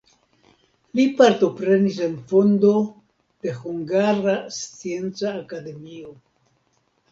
Li partoprenis en fondo de Hungara Scienca Akademio.